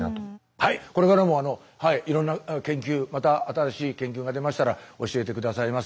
はいこれからもいろんな研究また新しい研究が出ましたら教えて下さいませ。